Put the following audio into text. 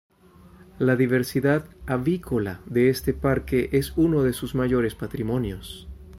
La diversidad "avícola" de este parque es uno de sus mayores patrimonios.